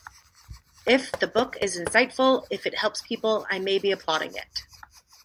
If the book is insightful, if it helps people, I may be applauding it.